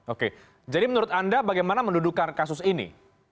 oke jadi menurut anda bagaimana mendudukan kasus ini